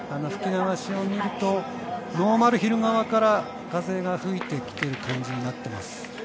吹き流しを見るとノーマルヒル側から風が吹いてきている感じになっています。